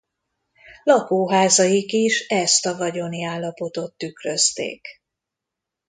Lakóházaik is ezt a vagyoni állapotot tükrözték.